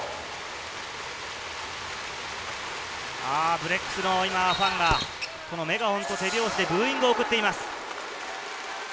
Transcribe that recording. ブレックスのファンが今メガホンと手拍子でブーイングを送っています。